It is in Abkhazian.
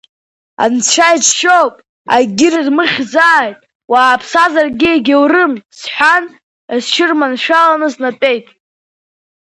Анцәа иџьшьоуп, акгьы рмыхьзааит, уааԥсазаргьы егьаурым, — сҳәан, сҽырманшәаланы снатәеит.